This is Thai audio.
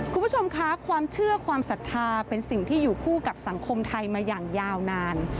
คุณผู้ชมคะความเชื่อความศรัทธาเป็นสิ่งที่อยู่คู่กับสังคมไทยมาอย่างยาวนาน